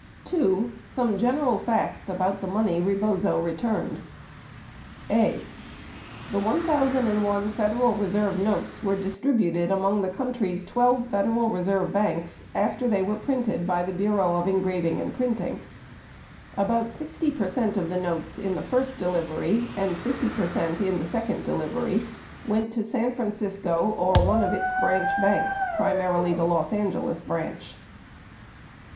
2. SOME GENERAL FACTS ABOUT THE MONEY REBOZO RETURNED (a) The 1,001 Federal Reserve notes were distributed among the country's 12 Federal Reserve banks after they were printed by the Bureau of Engraving and Printing. About 60 percent of the notes in the first delivery and 50 percent in the second delivery went to San Francisco or one of its branch banks, primarily the Los Angeles branch.